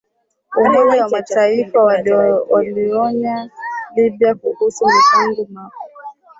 Umoja wa Mataifa waionya Libya kuhusu mapigano mapya